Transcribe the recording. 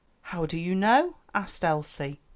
"How do you know?" asked Elsie.